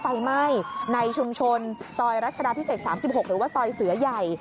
ไฟไหม้ในชุมชนซอยรัชดาพิเศษ๓๖หรือว่าซอยเสือใหญ่